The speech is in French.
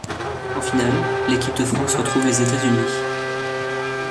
En finale, l'équipe de France retrouve les États-Unis.